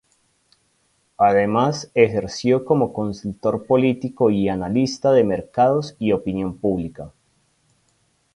Además, ejerció como consultor político y analista de mercados y opinión pública.